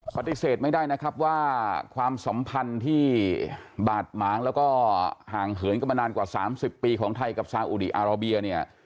ปฏิเสธไม่ได้นะครับว่าความสัมพันธ์ที่บาดหมางแล้วก็ห่างเหินกันมานานกว่า๓๐ปีของไทยกับซาอุดีอาราเบียเนี่ย